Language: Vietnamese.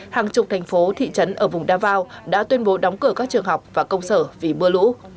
hàng chục thành phố thị trấn ở vùng davao đã tuyên bố đóng cửa các trường học và công sở vì mưa lũ